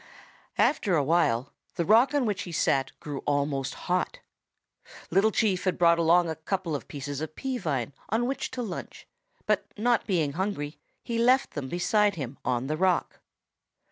After a while the rock on which he sat grew almost hot. Little Chief had brought along a couple of pieces of pea vine on which to lunch, but not being hungry he left them beside him on the rock.